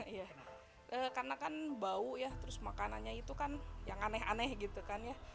karena kan bau ya terus makanannya itu kan yang aneh aneh gitu kan ya